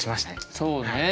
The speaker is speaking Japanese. そうね。